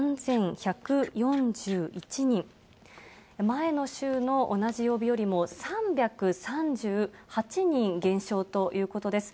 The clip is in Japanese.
前の週の同じ曜日よりも３３８人減少ということです。